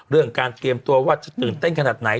เรื่องการเตรียมตัวว่าจะตื่นเต้นขนาดไหน